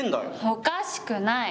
おかしくない。